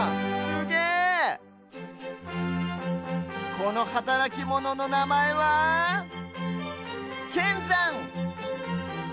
このはたらきモノのなまえはけんざん！